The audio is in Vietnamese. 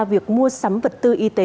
việc mua sắm vật tư y tế